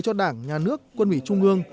cho đảng nhà nước quân ủy trung ương